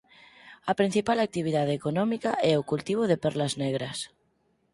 A principal actividade económica é o cultivo de perlas negras.